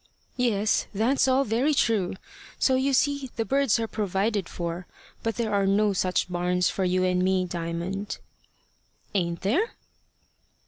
"Yes; that's all very true. So you see the birds are provided for. But there are no such barns for you and me, Diamond." "Ain't there?"